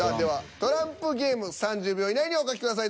「トランプゲーム」３０秒以内にお書きください